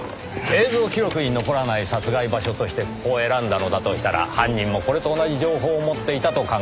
映像記録に残らない殺害場所としてここを選んだのだとしたら犯人もこれと同じ情報を持っていたと考えられます。